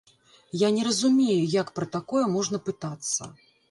Я не разумею, як пра такое можна пытацца.